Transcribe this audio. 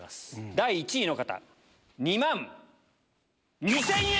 第１位の方２万２０００円！